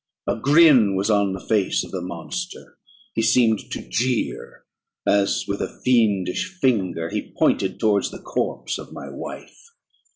A grin was on the face of the monster; he seemed to jeer, as with his fiendish finger he pointed towards the corpse of my wife.